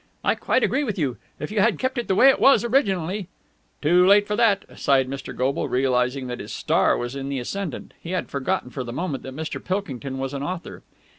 "I quite agree with you! If you had kept it the way it was originally...." "Too late for that!" sighed Mr. Goble, realizing that his star was in the ascendant. He had forgotten for the moment that Mr. Pilkington was an author.